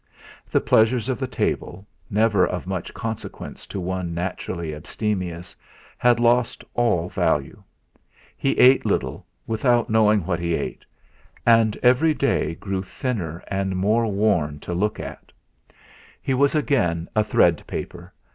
The pleasures of the table, never of much consequence to one naturally abstemious, had lost all value. He ate little, without knowing what he ate; and every day grew thinner and more worn to look at. He was again a 'threadpaper'.